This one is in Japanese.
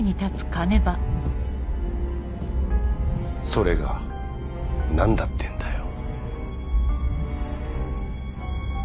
それが何だってんだよ？